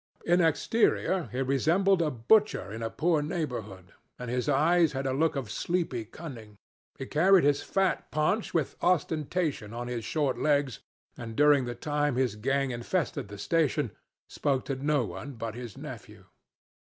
"In exterior he resembled a butcher in a poor neighborhood, and his eyes had a look of sleepy cunning. He carried his fat paunch with ostentation on his short legs, and during the time his gang infested the station spoke to no one but his nephew.